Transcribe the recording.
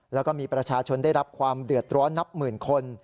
แล้วก็มีประชาชนได้รับความเดือดร้อนนับหมื่นคน